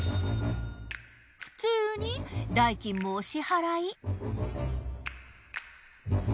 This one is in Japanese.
普通に代金もお支払い。